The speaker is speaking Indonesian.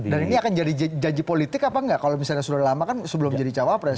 dan ini akan jadi janji politik apa enggak kalau sudah lama kan sebelum jadi calon wakil presiden